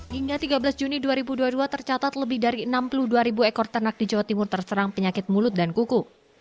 hingga tiga belas juni dua ribu dua puluh dua tercatat lebih dari enam puluh dua ekor ternak di jawa timur terserang penyakit mulut dan kuku